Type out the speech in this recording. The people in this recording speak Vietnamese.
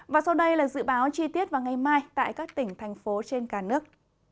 và sau đây là dự báo chi tiết vào ngày mai tại các tỉnh thành phố trên cả nước